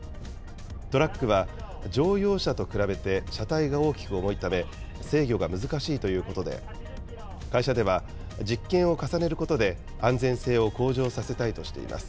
トラックは、乗用車と比べて、車体が大きく重いため、制御が難しいということで、会社では、実験を重ねることで、安全性を向上させたいとしています。